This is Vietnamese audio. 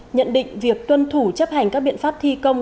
nhận định việc tuân thủ chấp hành các biện pháp thi công